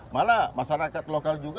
malah masyarakat lokal juga